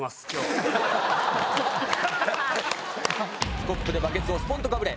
スコップでバケツをスポンとかぶれ！